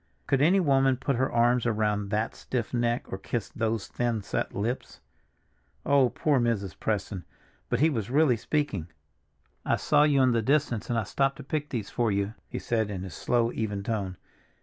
Could any woman put her arms around that stiff neck or kiss those thin, set lips? Oh, poor Mrs. Preston! But he was really speaking. "I saw you in the distance and I stopped to pick these for you," he said in his slow, even tone.